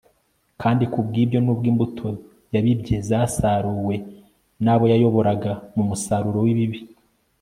kandikubw'ibyo, nubwo imbuto yabibye zasaruwe n'abo yayoboraga mu musaruro w'ibibi